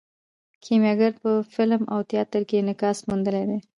کیمیاګر په فلم او تیاتر کې انعکاس موندلی دی.